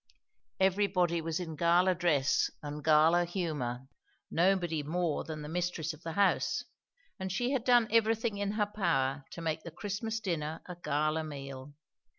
Everybody was in gala dress and gala humour, nobody more than the mistress of the house; and she had done everything in her power to make the Christmas dinner a gala meal.